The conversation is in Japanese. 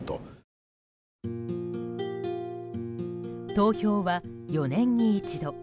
投票は４年に一度。